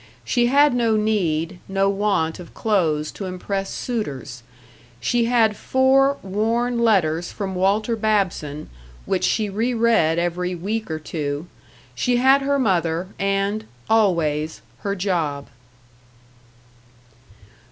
She had no need, no want of clothes to impress suitors.... She had four worn letters from Walter Babson which she re read every week or two; she had her mother and, always, her job.